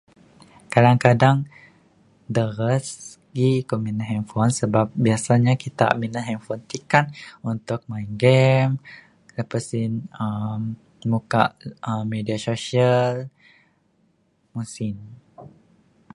Kadang-kadang deras gih aku minan handphone sebab biasanya kita minan handphone ti kan untuk game, lepas sin aaa muka media sosial mung sin.